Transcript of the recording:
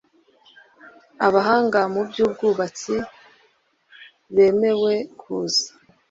abahanga mu by ububatsi bemewe kuza